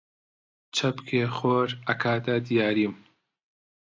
چەپکێ خۆر ئەکاتە دیاریم!